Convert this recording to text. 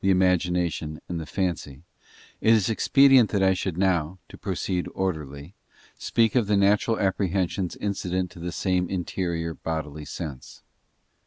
imagination and the fancy, it is expedient that I should now —to proceed orderly—speak of the natural apprehensions incident to the same interior bodily sense.